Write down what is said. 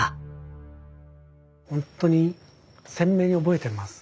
ほんとに鮮明に覚えてます。